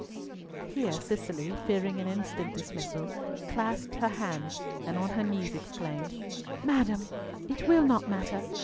Here Cicely, fearing an instant dismissal, clasped her hands, and on her knees exclaimed, "Madam! it will not matter.